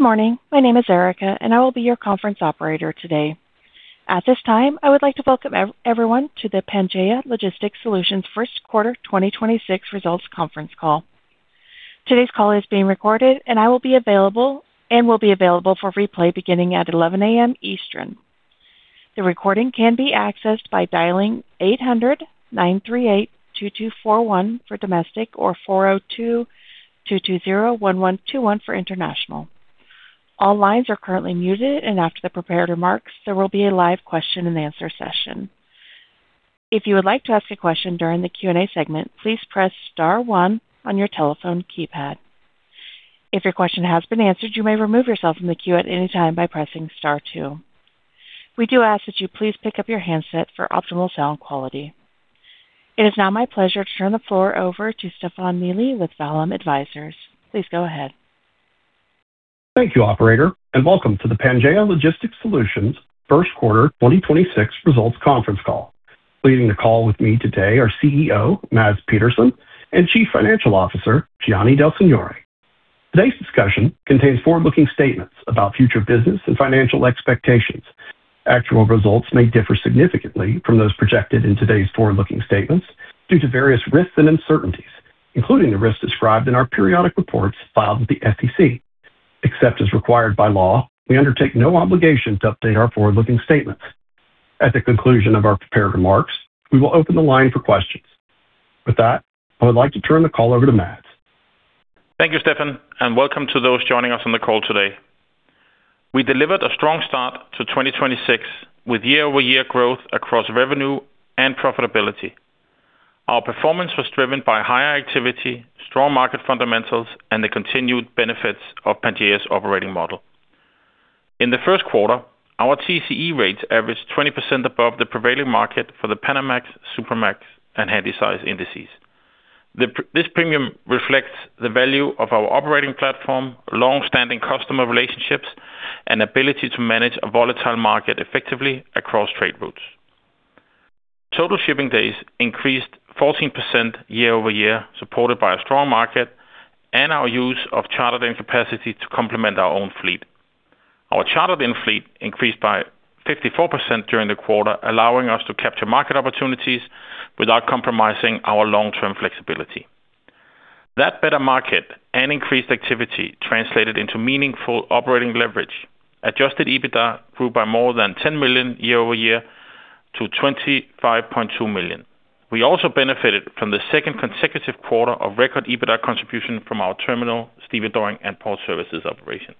Good morning. My name is Erica, and I will be your conference operator today. At this time, I would like to welcome everyone to the Pangaea Logistics Solutions First Quarter 2026 Results Conference Call. Today's call is being recorded, and will be available for replay beginning at 11:00 A.M. Eastern. The recording can be accessed by dialing 800-938-2241 for domestic or 402-220-1121 for international. All lines are currently muted, and after the prepared remarks, there will be a live question-and-answer session. If you would like to ask a question during the Q&A segment, please press star one on your telephone keypad. If your question has been answered, you may remove yourself from the queue at any time by pressing star two. We do ask that you please pick up your handset for optimal sound quality. It is now my pleasure to turn the floor over to Stefan Neely with Vallum Advisors. Please go ahead. Thank you, operator, and welcome to the Pangaea Logistics Solutions First Quarter 2026 Results Conference Call. Leading the call with me today are CEO, Mads Petersen, and Chief Financial Officer, Gianni Del Signore. Today's discussion contains forward-looking statements about future business and financial expectations. Actual results may differ significantly from those projected in today's forward-looking statements due to various risks and uncertainties, including the risks described in our periodic reports filed with the SEC. Except as required by law, we undertake no obligation to update our forward-looking statements. At the conclusion of our prepared remarks, we will open the line for questions. With that, I would like to turn the call over to Mads. Thank you, Stefan, and welcome to those joining us on the call today. We delivered a strong start to 2026 with year-over-year growth across revenue and profitability. Our performance was driven by higher activity, strong market fundamentals, and the continued benefits of Pangaea's operating model. In the first quarter, our TCE rates averaged 20% above the prevailing market for the Panamax, Supramax, and Handysize indices. This premium reflects the value of our operating platform, long-standing customer relationships, and ability to manage a volatile market effectively across trade routes. Total shipping days increased 14% year-over-year, supported by a strong market and our use of chartered-in capacity to complement our own fleet. Our chartered-in fleet increased by 54% during the quarter, allowing us to capture market opportunities without compromising our long-term flexibility. Better market and increased activity translated into meaningful operating leverage. Adjusted EBITDA grew by more than $10 million year-over-year to $25.2 million. We also benefited from the second consecutive quarter of record EBITDA contribution from our terminal, stevedoring, and port services operation.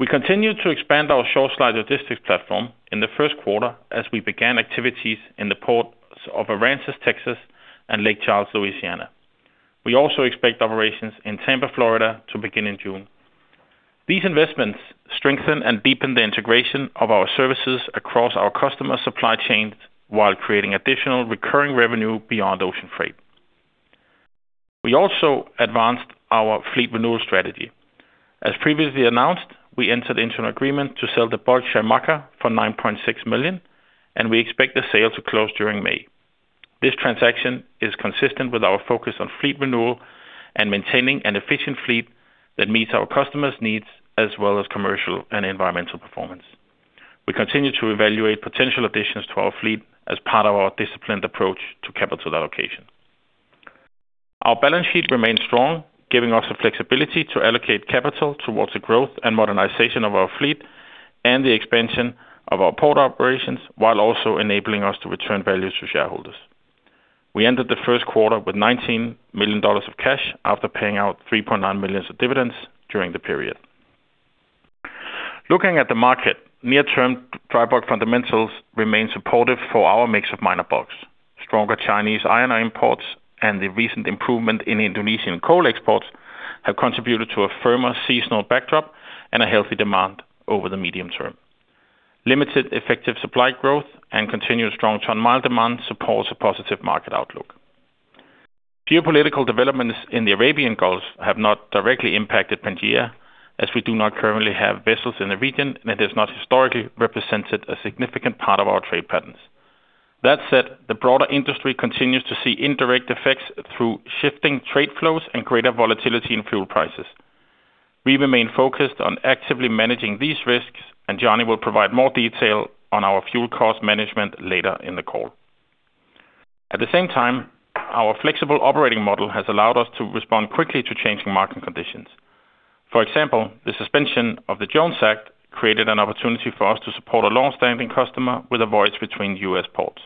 We continued to expand our short slide logistics platform in the first quarter as we began activities in the ports of Aransas, Texas, and Lake Charles, Louisiana. We also expect operations in Tampa, Florida, to begin in June. These investments strengthen and deepen the integration of our services across our customer supply chains while creating additional recurring revenue beyond ocean freight. We also advanced our fleet renewal strategy. As previously announced, we entered into an agreement to sell the Bulk Jamaica for $9.6 million, and we expect the sale to close during May. This transaction is consistent with our focus on fleet renewal and maintaining an efficient fleet that meets our customers' needs as well as commercial and environmental performance. We continue to evaluate potential additions to our fleet as part of our disciplined approach to capital allocation. Our balance sheet remains strong, giving us the flexibility to allocate capital towards the growth and modernization of our fleet and the expansion of our port operations while also enabling us to return value to shareholders. We ended the first quarter with $19 million of cash after paying out $3.9 million of dividends during the period. Looking at the market, near-term dry bulk fundamentals remain supportive for our mix of minor bulks. Stronger Chinese iron ore imports and the recent improvement in Indonesian coal exports have contributed to a firmer seasonal backdrop and a healthy demand over the medium term. Limited effective supply growth and continued strong ton-mile demand supports a positive market outlook. Geopolitical developments in the Arabian Gulf have not directly impacted Pangaea, as we do not currently have vessels in the region, and it has not historically represented a significant part of our trade patterns. That said, the broader industry continues to see indirect effects through shifting trade flows and greater volatility in fuel prices. We remain focused on actively managing these risks, and Gianni will provide more detail on our fuel cost management later in the call. At the same time, our flexible operating model has allowed us to respond quickly to changing market conditions. For example, the suspension of the Jones Act created an opportunity for us to support a long-standing customer with a voyage between U.S. ports.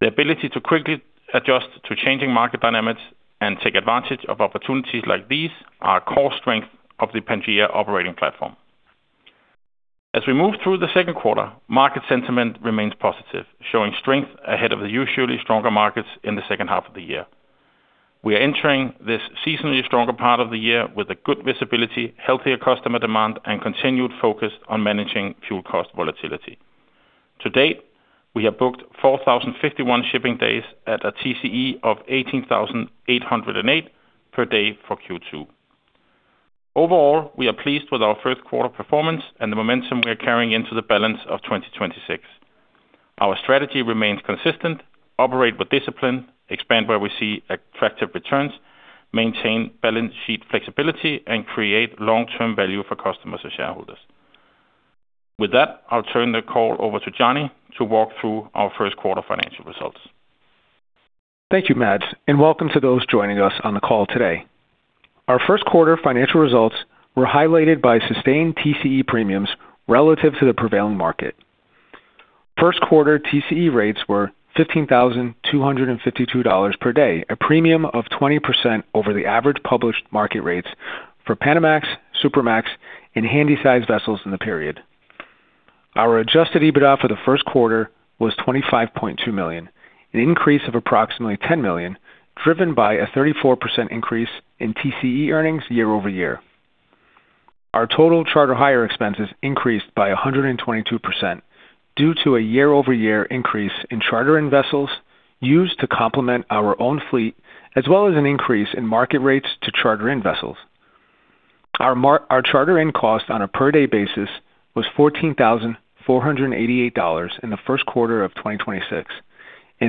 The ability to quickly adjust to changing market dynamics and take advantage of opportunities like these are a core strength of the Pangaea operating platform. As we move through the second quarter, market sentiment remains positive, showing strength ahead of the usually stronger markets in the second half of the year. We are entering this seasonally stronger part of the year with a good visibility, healthier customer demand, and continued focus on managing fuel cost volatility. To date, we have booked 4,051 shipping days at a TCE of $18,808 per day for Q2. Overall, we are pleased with our first quarter performance and the momentum we are carrying into the balance of 2026. Our strategy remains consistent: operate with discipline, expand where we see attractive returns, maintain balance sheet flexibility, and create long-term value for customers and shareholders. With that, I'll turn the call over to Gianni to walk through our first quarter financial results. Thank you, Mads. Welcome to those joining us on the call today. Our first quarter financial results were highlighted by sustained TCE premiums relative to the prevailing market. First quarter TCE rates were $15,252 per day, a premium of 20% over the average published market rates for Panamax, Supramax, and Handysize vessels in the period. Our adjusted EBITDA for the first quarter was $25.2 million, an increase of approximately $10 million, driven by a 34% increase in TCE earnings year-over-year. Our total charter hire expenses increased by 122% due to a year-over-year increase in charter-in vessels used to complement our own fleet, as well as an increase in market rates to charter-in vessels. Our charter-in cost on a per-day basis was $14,488 in the first quarter of 2026.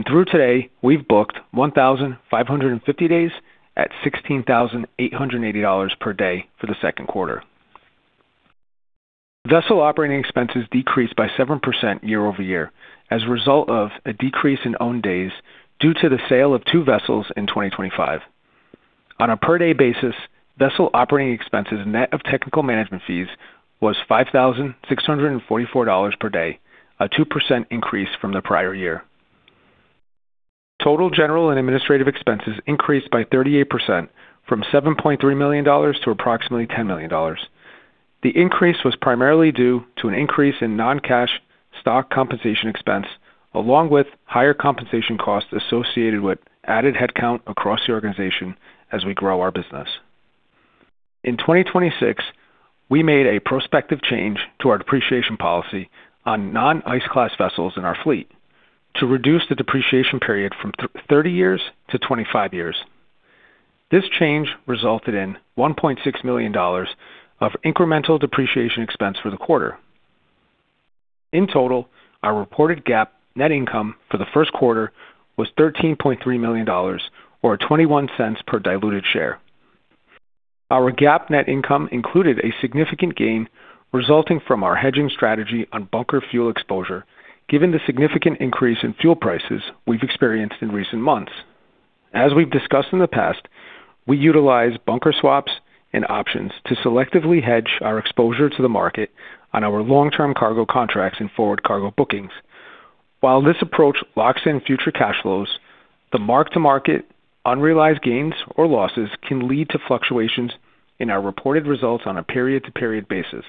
Through today, we've booked 1,550 days at $16,880 per day for the second quarter. Vessel operating expenses decreased by 7% year-over-year as a result of a decrease in own days due to the sale of two vessels in 2025. On a per-day basis, vessel operating expenses, net of technical management fees, was $5,644 per day, a 2% increase from the prior year. Total general and administrative expenses increased by 38% from $7.3 million to approximately $10 million. The increase was primarily due to an increase in non-cash stock compensation expense, along with higher compensation costs associated with added headcount across the organization as we grow our business. In 2026, we made a prospective change to our depreciation policy on non-ice class vessels in our fleet to reduce the depreciation period from 30 years to 25 years. This change resulted in $1.6 million of incremental depreciation expense for the quarter. In total, our reported GAAP net income for the first quarter was $13.3 million or $0.21 per diluted share. Our GAAP net income included a significant gain resulting from our hedging strategy on bunker fuel exposure, given the significant increase in fuel prices we've experienced in recent months. As we've discussed in the past, we utilize bunker swaps and options to selectively hedge our exposure to the market on our long-term cargo contracts and forward cargo bookings. While this approach locks in future cash flows, the mark-to-market unrealized gains or losses can lead to fluctuations in our reported results on a period-to-period basis.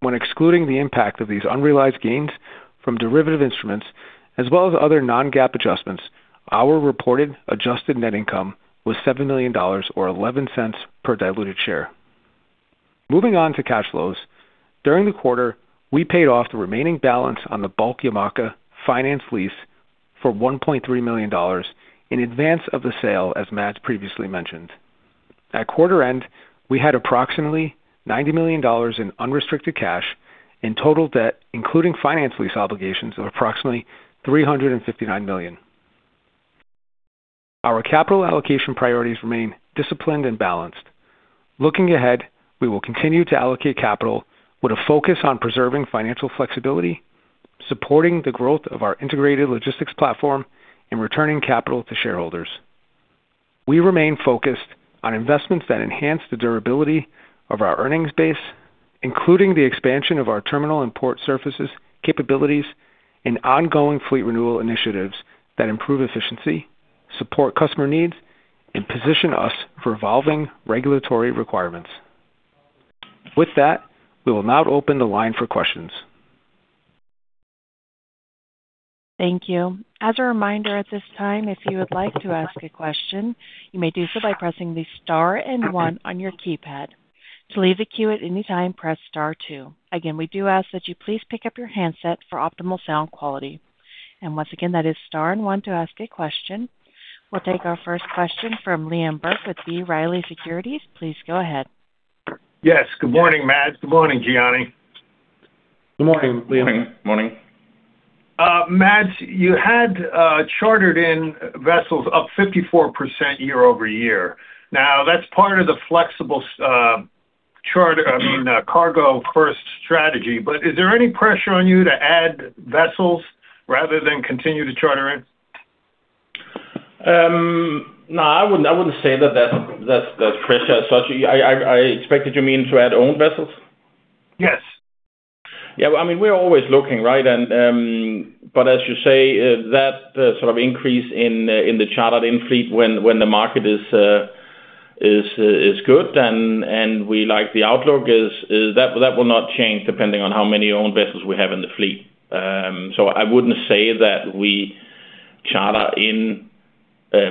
When excluding the impact of these unrealized gains from derivative instruments as well as other non-GAAP adjustments, our reported adjusted net income was $7 million or $0.11 per diluted share. Moving on to cash flows. During the quarter, we paid off the remaining balance on the Bulk YAMACA finance lease for $1.3 million in advance of the sale, as Mads previously mentioned. At quarter end, we had approximately $90 million in unrestricted cash and total debt, including finance lease obligations, of approximately $359 million. Our capital allocation priorities remain disciplined and balanced. Looking ahead, we will continue to allocate capital with a focus on preserving financial flexibility, supporting the growth of our integrated logistics platform, and returning capital to shareholders. We remain focused on investments that enhance the durability of our earnings base, including the expansion of our terminal and port surfaces capabilities and ongoing fleet renewal initiatives that improve efficiency, support customer needs, and position us for evolving regulatory requirements. With that, we will now open the line for questions. Thank you. As a reminder at this time, if you would like to ask a question, you may do so by pressing the star and one on your keypad. To leave the queue at any time, press star two. Again, we do ask that you please pick up your handset for optimal sound quality. Once again, that is star and one to ask a question. We'll take our first question from Liam Burke with B. Riley Securities. Please go ahead. Yes. Good morning, Mads. Good morning, Gianni. Good morning, Liam. Morning. Mads, you had chartered in vessels up 54% year-over-year. That's part of the flexible, I mean, cargo first strategy. Is there any pressure on you to add vessels rather than continue to charter in? No, I wouldn't say that's pressure as such. I expected you mean to add own vessels? Yes. Yeah. I mean, we're always looking, right? But as you say, that sort of increase in the chartered-in fleet when the market is good and we like the outlook is that that will not change depending on how many own vessels we have in the fleet. I wouldn't say that we charter in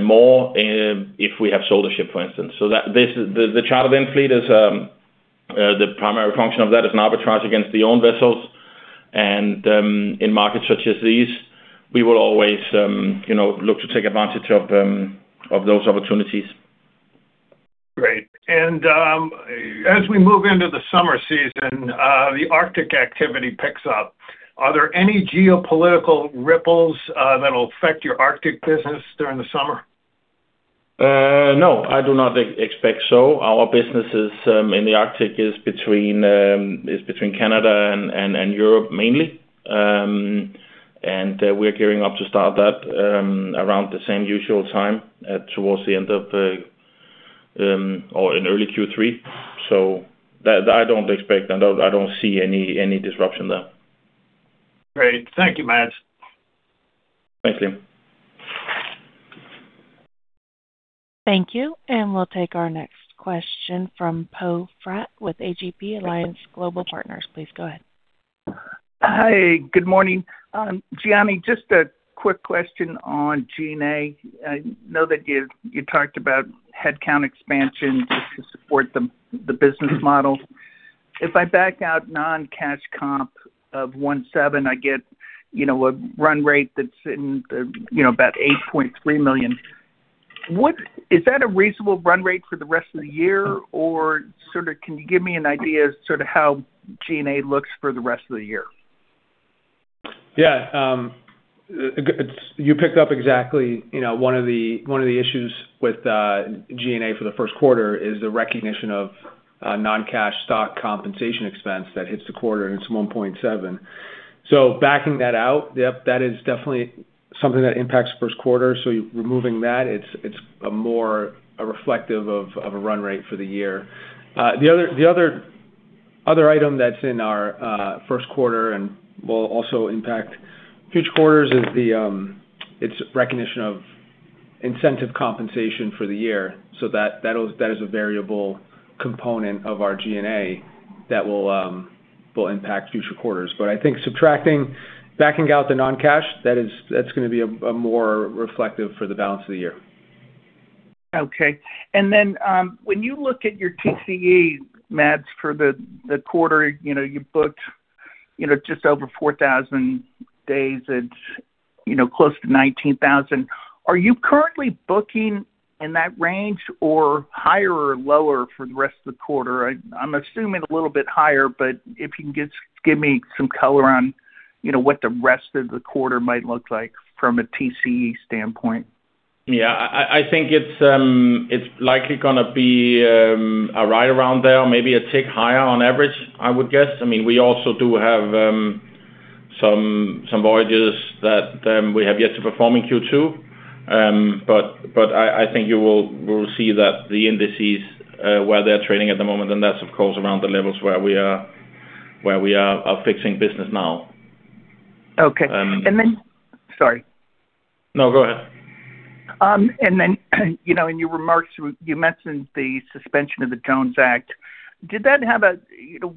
more if we have sold a ship, for instance. The chartered-in fleet is the primary function of that is an arbitrage against the owned vessels. In markets such as these, we will always, you know, look to take advantage of those opportunities. Great. As we move into the summer season, the Arctic activity picks up. Are there any geopolitical ripples that'll affect your Arctic business during the summer? No, I do not expect so. Our businesses in the Arctic is between Canada and Europe mainly. We're gearing up to start that around the same usual time towards the end of the or in early Q3. That I don't expect and I don't see any disruption there. Great. Thank you, Mads. Thank you. Thank you. We'll take our next question from Poe Fratt with AGP Alliance Global Partners. Please go ahead. Hi, good morning. Gianni, just a quick question on G&A. I know that you talked about headcount expansion to support the business model. If I back out non-cash comp of $1.7, I get a run rate that's in about $8.3 million. Is that a reasonable run rate for the rest of the year? Can you give me an idea how G&A looks for the rest of the year? It's You picked up exactly, you know, one of the issues with G&A for the first quarter is the recognition of non-cash stock compensation expense that hits the quarter, and it's $1.7. Backing that out, yep, that is definitely something that impacts first quarter. Removing that it's a more reflective of a run rate for the year. The other item that's in our first quarter and will also impact future quarters is the recognition of incentive compensation for the year, that is a variable component of our G&A that will impact future quarters. I think subtracting, backing out the non-cash, that is, that's gonna be a more reflective for the balance of the year. Okay. When you look at your TCE, Mads, for the quarter, you know, you booked, you know, just over 4,000 days at, you know, close to $19,000. Are you currently booking in that range or higher or lower for the rest of the quarter? I'm assuming a little bit higher, but if you can give me some color on, you know, what the rest of the quarter might look like from a TCE standpoint. Yeah. I think it's likely gonna be a right around there, maybe a tick higher on average, I would guess. I mean, we also do have some voyages that we have yet to perform in Q2. I think you will see that the indices where they're trading at the moment, and that's of course around the levels where we are fixing business now. Okay. Um- Sorry. No, go ahead. You know, in your remarks, you mentioned the suspension of the Jones Act. Did that have a, you know,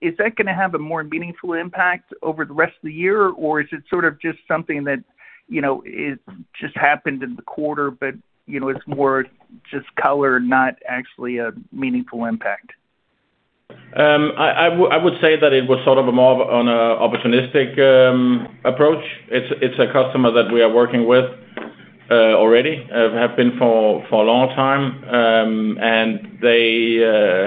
is that gonna have a more meaningful impact over the rest of the year, or is it sort of just something that, you know, it just happened in the quarter, but, you know, it's more just color, not actually a meaningful impact? I would say that it was sort of a more of an opportunistic approach. It's a customer that we are working with already have been for a long time. They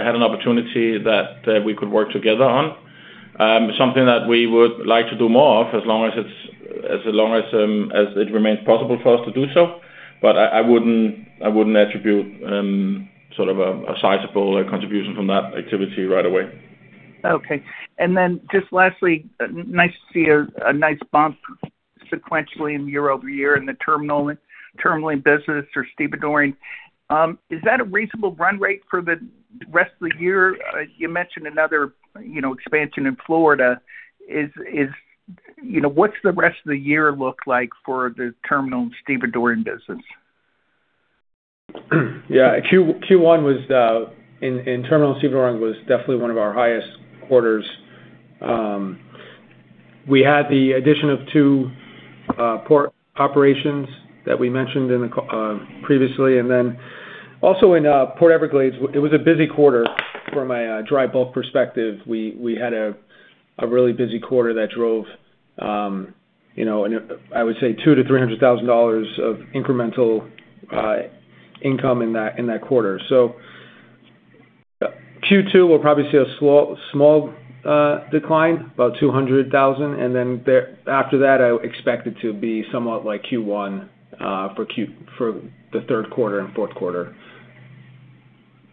had an opportunity that we could work together on. Something that we would like to do more of, as long as it remains possible for us to do so. I wouldn't attribute sort of a sizable contribution from that activity right away. Okay. Just lastly, nice to see a nice bump sequentially in year over year in the terminal business or stevedoring. Is that a reasonable run rate for the rest of the year? You mentioned another, you know, expansion in Florida. You know, what's the rest of the year look like for the terminal and stevedoring business? Yeah. Q1 was in terminal stevedoring definitely one of our highest quarters. We had the addition of two port operations that we mentioned previously. Also in Port Everglades, it was a busy quarter from a dry bulk perspective. We had a really busy quarter that drove, you know, I would say $200,000-$300,000 of incremental income in that quarter. Q2 will probably see a small decline, about $200,000. After that, I expect it to be somewhat like Q1 for the third quarter and fourth quarter.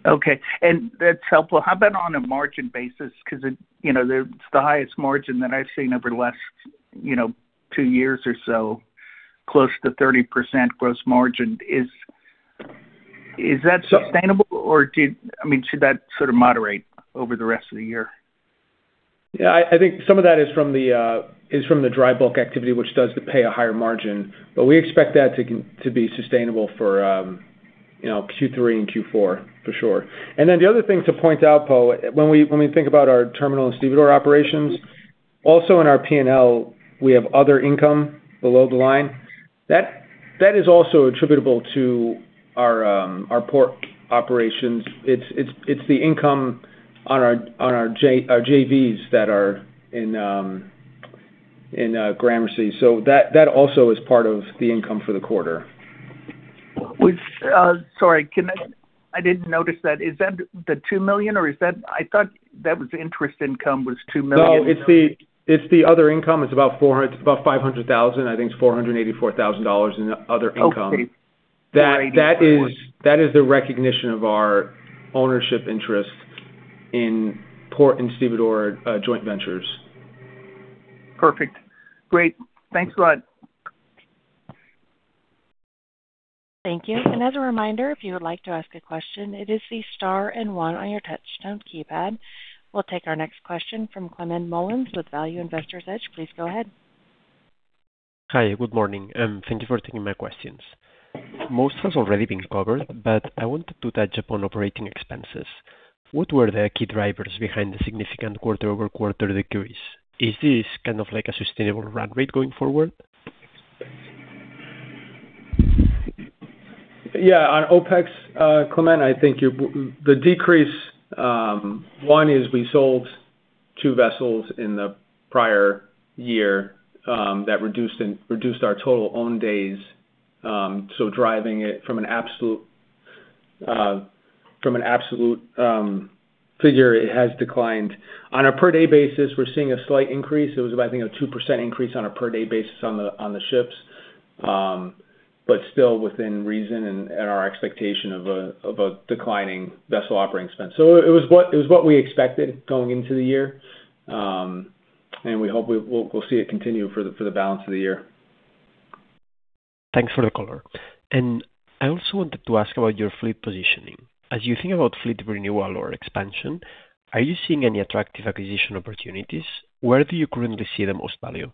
Okay. That's helpful. How about on a margin basis? 'Cause it, you know, it's the highest margin that I've seen over the last, you know, two years or so. Close to 30% gross margin. Is that sustainable or I mean, should that sort of moderate over the rest of the year? I think some of that is from the dry bulk activity, which does pay a higher margin. We expect that to be sustainable for, you know, Q3 and Q4 for sure. The other thing to point out, Poe, when we think about our terminal and stevedore operations, also in our P&L, we have other income below the line. That is also attributable to our port operations. It's the income on our JVs that are in Gramercy. That also is part of the income for the quarter. Which, sorry, I didn't notice that. Is that the $2 million or is that I thought that was interest income was $2 million? No, it's the other income. It's about $500,000. I think it's $484,000 in other income. Okay. $484. That is the recognition of our ownership interest in port and stevedore, joint ventures. Perfect. Great. Thanks a lot. Thank you. As a reminder, if you would like to ask a question, it is the star and one on your touch tone keypad. We'll take our next question from Clement Mullins with Value Investor's Edge. Please go ahead. Hi. Good morning, and thank you for taking my questions. Most has already been covered, but I wanted to touch upon operating expenses. What were the key drivers behind the significant quarter-over-quarter decrease? Is this kind of like a sustainable run rate going forward? Yeah. On OpEx, Clement, I think The decrease, one is we sold two vessels in the prior year, that reduced and reduced our total own days, driving it from an absolute, from an absolute figure, it has declined. On a per-day basis, we're seeing a slight increase. It was about, I think, a 2% increase on a per-day basis on the, on the ships, still within reason and our expectation of a declining vessel operating expense. It was what we expected going into the year. We hope we'll see it continue for the balance of the year. Thanks for the color. I also wanted to ask about your fleet positioning. As you think about fleet renewal or expansion, are you seeing any attractive acquisition opportunities? Where do you currently see the most value?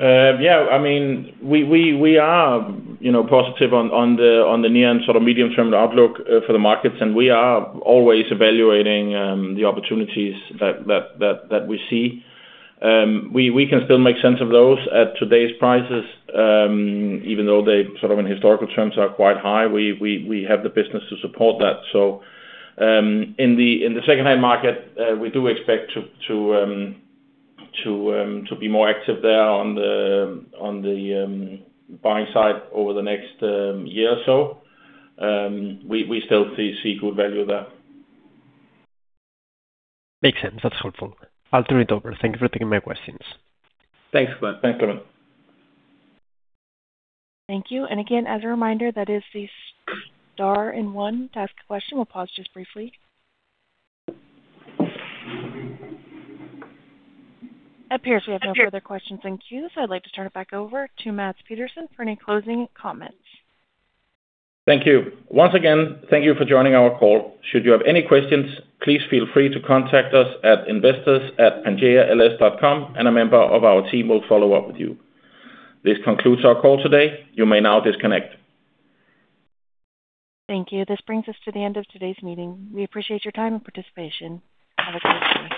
Yeah, I mean, we are, you know, positive on the near and sort of medium-term outlook for the markets, and we are always evaluating the opportunities that we see. We can still make sense of those at today's prices, even though they sort of in historical terms are quite high. We have the business to support that. In the secondhand market, we do expect to be more active there on the buying side over the next year or so. We still see good value there. Makes sense. That's helpful. I'll turn it over. Thank you for taking my questions. Thanks, Clement. Thanks a lot. Thank you. Again, as a reminder, that is the star and one to ask a question. We'll pause just briefly. It appears we have no further questions in queue, I'd like to turn it back over to Mads Petersen for any closing comments. Thank you. Once again, thank you for joining our call. Should you have any questions, please feel free to contact us at investors@pangaeals.com and a member of our team will follow up with you. This concludes our call today. You may now disconnect. Thank you. This brings us to the end of today's meeting. We appreciate your time and participation. Have a great rest of your day.